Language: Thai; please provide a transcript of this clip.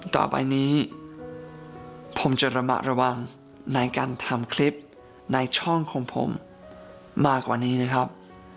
ต่อไปนี้ผมจะระมัดระวังในการทำคลิปในช่องของผมมากกว่านี้นะครับ